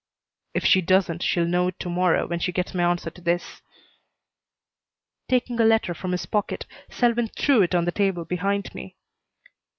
"If she doesn't, she'll know it to morrow when she gets my answer to this." Taking a letter from his pocket, Selwyn threw it on the table behind me.